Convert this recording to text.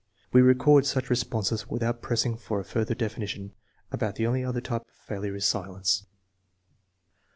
We record such responses without pressing for a further definition. About the only other type of failure is silence.